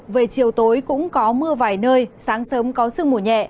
về chiều tối cũng có mưa vài nơi sáng sớm có sương mù nhẹ